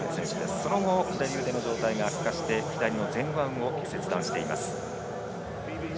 その後、左腕の症状が悪化して前腕を切断しています。